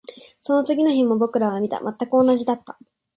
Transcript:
その次の日も僕らは見た。全く同じだった。